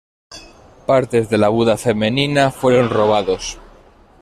Partes de la Buda femenina fueron robados.